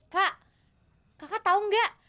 kak kakak tau nggak